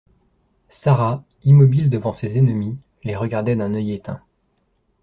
Sarah, immobile devant ses ennemis, les regardait d’un œil éteint.